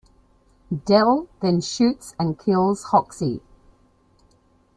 Dell then shoots and kills Hoxey.